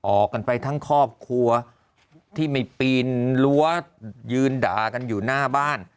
ออกกันไปทั้งครอบครัวที่ไม่ปีนรั้วยืนด่ากันอยู่หน้าบ้าน